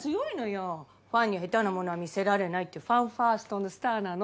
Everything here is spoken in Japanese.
ファンに下手なものは見せられないってファンファーストのスターなの。